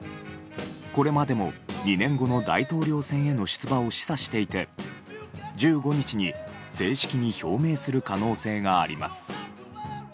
これまでも２年後の大統領選への出馬を示唆していて１５日に正式に表明する可能性があります。